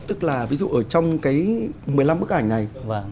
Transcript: tức là ví dụ ở trong cái một mươi năm bức ảnh này